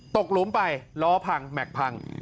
หลุมไปล้อพังแม็กซ์พัง